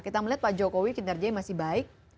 kita melihat pak jokowi kinerjanya masih baik